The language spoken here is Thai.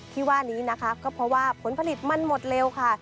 ที่ว่านี้นะคะก็เพราะว่าผลผลิตมันหมดเร็วค่ะ